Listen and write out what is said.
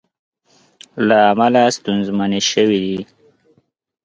له امله ستونزمنې شوې وې